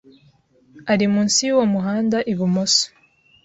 Ari munsi yuwo muhanda, ibumoso.